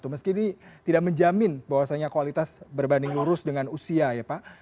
meski ini tidak menjamin bahwasannya kualitas berbanding lurus dengan usia ya pak